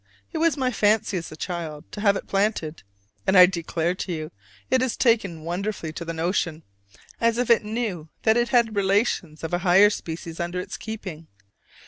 It was my fancy as a child to have it planted: and I declare to you, it has taken wonderfully to the notion, as if it knew that it had relations of a higher species under its keeping.